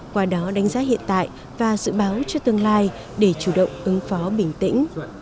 qua đó đánh giá hiện tại và dự báo cho tương lai để chủ động ứng phó bình tĩnh